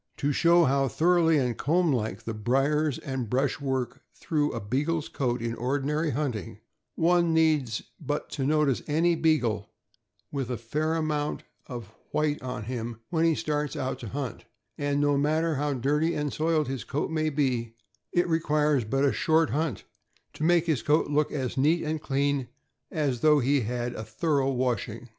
To show how thoroughly and comb like the briers and brush work through a Beagle' s coat in ordinary hunting, one needs but to notice any Beagle, with a fair amount of 284 THE AMERICAN BOOK OF THE DOG. white on him, when he starts out to hunt, and, no matter how dirty and soiled his coat maybe, it requires but a short hunt to make his coat look as neat and clean as though he had had a thorough washing.